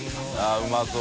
△うまそう。